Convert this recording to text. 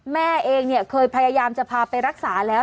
แม่เองเนี่ยเคยพยายามจะพาไปรักษาแล้ว